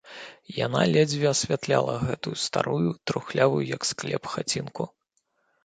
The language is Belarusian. Яна ледзьве асвятляла гэтую старую, трухлявую, як склеп, хацінку.